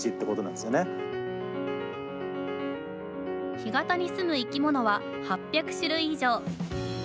干潟にすむ生き物は８００種類以上。